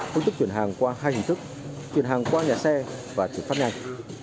hướng tức chuyển hàng qua hai hình thức chuyển hàng qua nhà xe và trực pháp nhanh